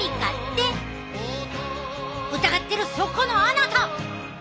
疑ってるそこのあなた！